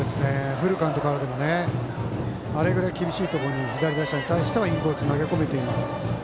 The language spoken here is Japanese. フルカウントからでもあれぐらい厳しいところに左打者に対してはインコース投げ込めています。